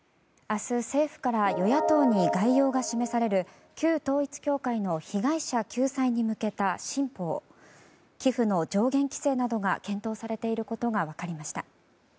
明日政府から与野党に概要が示される旧統一教会の被害者救済に向けた進歩を寄付の上限規制などが検討されていることが分かりました。